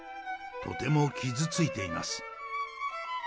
とても傷ついています。